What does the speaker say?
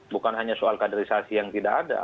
bukan hanya soal kaderisasi yang tidak ada